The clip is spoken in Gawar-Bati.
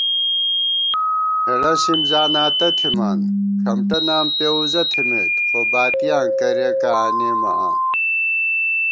ہېڑہ سِم زاناتہ تھِمان، کھمٹہ نام پېوُزہ تھِمېت، خو باتِیاں کریَکہ آنېمہ آں